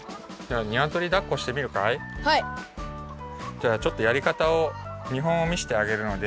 じゃあちょっとやりかたをみほんをみせてあげるので。